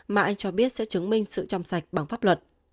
mà anh cho biết sẽ chứng minh sự trong sạch bằng pháp luật